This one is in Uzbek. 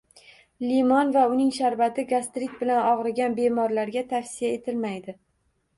Limon va uning sharbati gastrit bilan og‘rigan bemorlarga tavsiya etilmaydi.